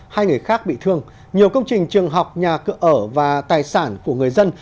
hai người khác bị thương nhiều công trình trường học nhà cửa ở và tài sản của người dân